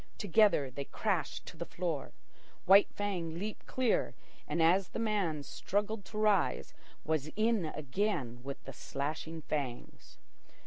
Together they crashed to the floor. White Fang leaped clear, and, as the man struggled to rise, was in again with the slashing fangs.